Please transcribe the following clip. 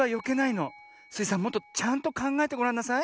もっとちゃんとかんがえてごらんなさい。